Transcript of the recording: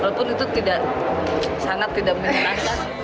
walaupun itu sangat tidak mengerasakan